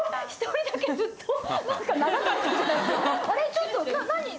ちょっと何？